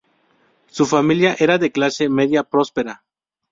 Su familia era de clase media próspera.